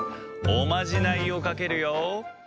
おまじないをかけるよ。